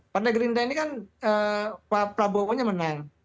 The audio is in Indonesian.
partai gerindra ini kan pak prabowo nya menang